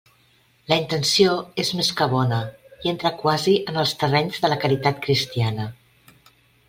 La intenció és més que bona i entra quasi en els terrenys de la caritat cristiana.